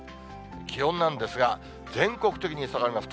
気温なんですが、全国的に下がります。